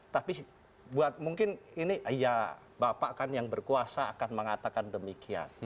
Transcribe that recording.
tapi buat mungkin ini ya bapak kan yang berkuasa akan mengatakan demikian